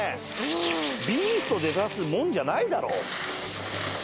ＢＥＡＳＴで出すもんじゃないだろ。